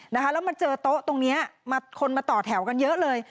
แล้วมาเจอโต๊ะตรงนี้มาคนมาต่อแถวกันเยอะเลย